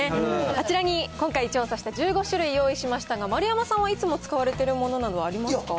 あちらに今回、調査した１５種類用意しましたが、丸山さんはいつも使われているものなどありますか？